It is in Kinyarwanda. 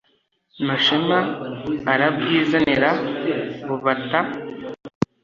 mashema arabwizanira bubataa